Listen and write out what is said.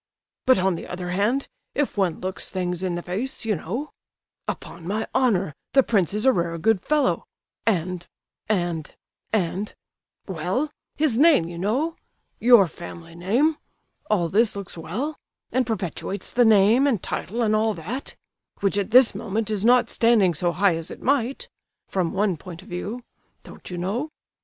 —"But, on the other hand, if one looks things in the face, you know—upon my honour, the prince is a rare good fellow—and—and—and—well, his name, you know—your family name—all this looks well, and perpetuates the name and title and all that—which at this moment is not standing so high as it might—from one point of view—don't you know?